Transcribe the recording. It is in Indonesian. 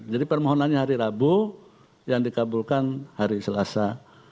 jadi permohonannya hari rabu yang dikabulkan hari selasa